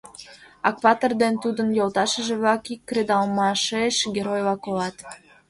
Акпатыр ден тудын йолташыже-влак ик кредалмашеш геройла колат.